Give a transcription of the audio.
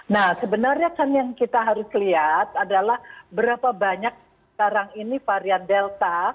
nah sebenarnya kan yang kita harus lihat adalah berapa banyak sekarang ini varian delta